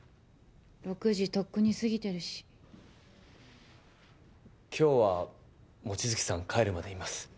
６時とっくに過ぎてるし今日は望月さん帰るまでいます